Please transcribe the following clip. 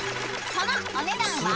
［そのお値段は？］